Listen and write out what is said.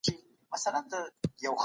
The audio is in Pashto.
د وریښتانو کمښت د رژیم ستونزه نده.